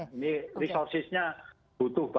ini resursinya butuh banyak